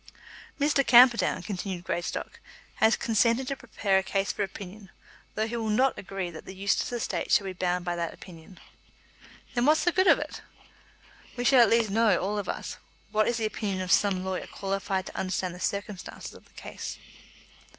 "Mr. Camperdown," continued Greystock, "has consented to prepare a case for opinion, though he will not agree that the Eustace estate shall be bound by that opinion." "Then what's the good of it?" "We shall at least know, all of us, what is the opinion of some lawyer qualified to understand the circumstances of the case."